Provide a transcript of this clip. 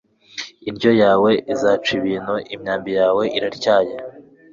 indyo yawe izaca ibintu, imyambi yawe iratyaye